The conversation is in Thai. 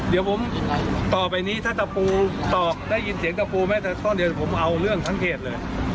เดี๋ยวผมต่อไปนี้ถ้าตะปูตอกได้ยินเสียงตะปูแม้แต่ต้นเดียวผมเอาเรื่องทั้งเขตเลย